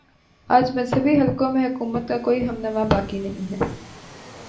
آج مذہبی حلقوں میں حکومت کا کوئی ہم نوا باقی نہیں ہے